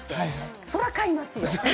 そりゃ、買いますよ。